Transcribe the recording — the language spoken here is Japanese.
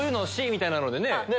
みたいなのでね。